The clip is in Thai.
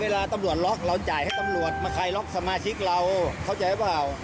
ล็อคสมาชิกเราเขาใจบ้าง